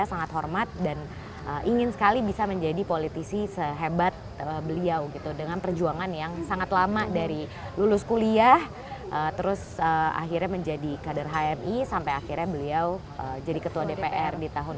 sangat hormat dan ingin sekali bisa menjadi politisi sehebat beliau gitu dengan perjuangan yang sangat lama dari lulus kuliah terus akhirnya menjadi kader hmi sampai akhirnya beliau jadi ketua dpr di tahun dua ribu dua puluh